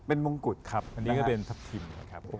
เป็นมงกุฎครับอันนี้ก็เป็นทัพทิมนะครับ